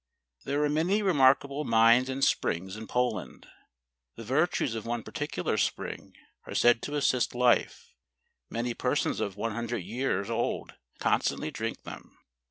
There are many remarkable mines and springs in Poland. The virtues of one particular spring are said to assist life; many persons of 100 years old constantly drink them.